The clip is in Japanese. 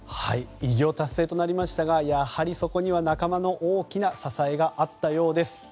偉業達成となりましたがやはり、そこには仲間の大きな支えがあったようです。